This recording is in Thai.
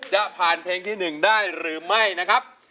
จะผ่านเพลงที่๑ได้หรือไม่นะครับ